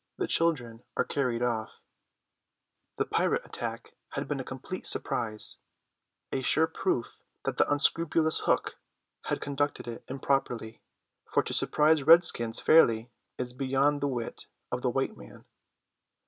THE CHILDREN ARE CARRIED OFF The pirate attack had been a complete surprise: a sure proof that the unscrupulous Hook had conducted it improperly, for to surprise redskins fairly is beyond the wit of the white man.